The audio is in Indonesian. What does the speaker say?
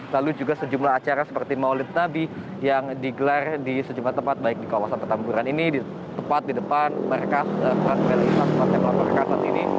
lalu juga sejumlah acara seperti maulid nabi yang digelar di sejumlah tempat baik di kawasan petamburan ini di tempat di depan markas trans reli